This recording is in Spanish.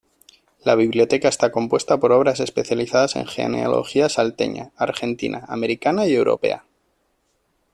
La biblioteca está compuesta por obras especializadas en genealogía salteña, argentina, americana y europea.